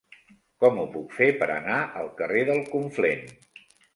Com ho puc fer per anar al carrer del Conflent?